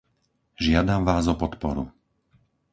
Žiadam vás o podporu.